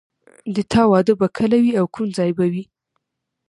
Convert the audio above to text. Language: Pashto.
د تا واده به کله وي او کوم ځای به وي